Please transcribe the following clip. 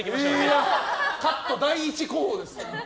いや、カット第一候補です。